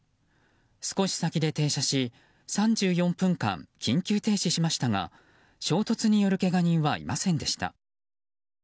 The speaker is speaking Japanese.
少し先で停車し３４分間緊急停止しましたが衝突によるけが人はいませんでした。